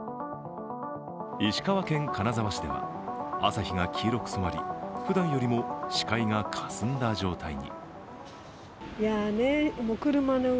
石川県金沢市では、朝日が黄色く染まりふだんよりも視界がかすんだ状態に。